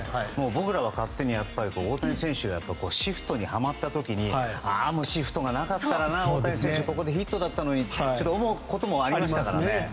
僕らは勝手に大谷選手はシフトにはまった時にシフトがなかったら大谷選手、ここでヒットだったのにって思うこともありましたからね。